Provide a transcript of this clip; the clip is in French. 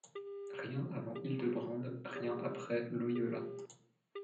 Rien avant Hildebrand, rien après Loyola.